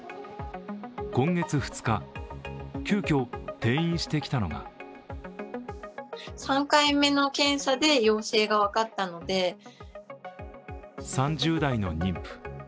今月２日、急きょ転院してきたのが３０代の妊婦。